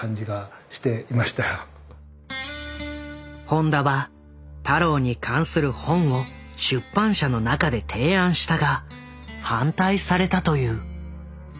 本田は太郎に関する本を出版社の中で提案したが反対されたという。